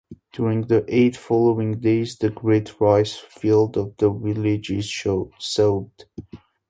During the eight following days, the great rice-field of the village is sowed.